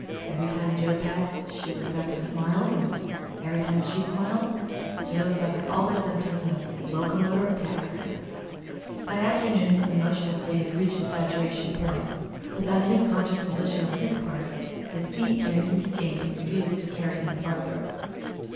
Every time Joe passed she looked up and smiled, and every time she smiled Joe suffered all the symptoms of locomotor ataxia! By afternoon his emotional nature had reached the saturation point. Without any conscious volition on his part, his feet carried him to the gate and refused to carry him farther.